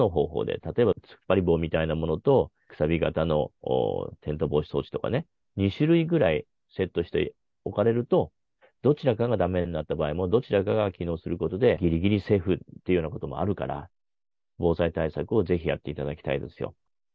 例えば突っ張り棒みたいなものと、くさび型の転倒防止装置とかね、２種類ぐらいセットしておかれるとどちらかがだめになった場合も、どちらかが機能することで、ぎりぎりセーフというようなこともあるから、防災対策をぜひやっていただきたいですよ。